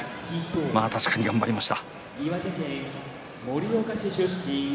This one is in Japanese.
確かに頑張りました。